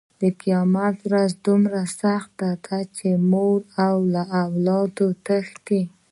قیامت ورځ دومره سخته ده چې مور له اولاده تښتي.